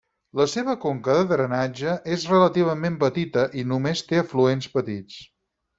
La seva conca de drenatge és relativament petita i només té afluents petits.